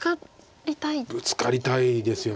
ブツカりたいですよね。